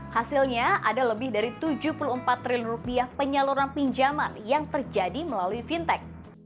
hasilnya ada lebih dari tujuh puluh empat triliun rupiah penyaluran pinjaman yang terjadi melalui fintech